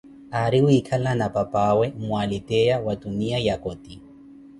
Ari wiikala na pipaawe mmwaaliteia wa tuniya ya koti.